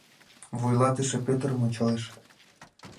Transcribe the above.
Вуйлатыше Пӧтырым ончалеш: